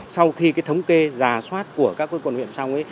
sau khi thống kê giả soát của các quận huyện xong